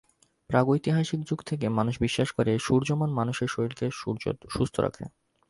প্রাগৈতিহাসিক যুগ থেকে মানুষ বিশ্বাস করে, সূর্যমান মানুষের শরীরকে সুস্থ্য রাখে।